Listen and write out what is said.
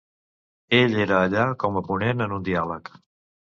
Ell era allà com a ponent en un diàleg.